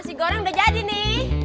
nasi goreng udah jadi nih